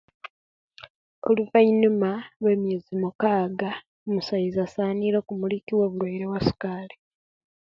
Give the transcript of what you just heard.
Oluvanyuma lwemiezi mukkaga omusaiza asanire okumurikiwa obulwaire obye'sukali